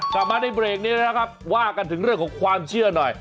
กลับมาในเบรกนี้นะครับว่ากันถึงเรื่องของความเชื่อหน่อย